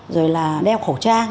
rồi là đeo khẩu trang